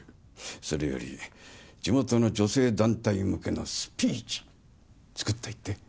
それより地元の女性団体向けのスピーチ作っといて。